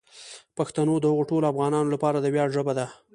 پښتو د هغو ټولو افغانانو لپاره د ویاړ ژبه ده.